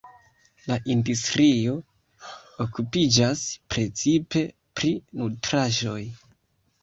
La industrio okupiĝas precipe pri nutraĵoj.